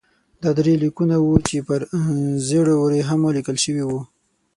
دا درې لیکونه وو چې پر ژړو ورېښمو لیکل شوي وو.